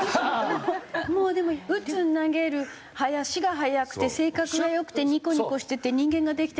でも打つ投げる足が速くて性格が良くてニコニコしてて人間ができて。